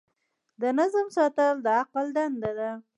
د نظم ساتل د عقل دنده ده.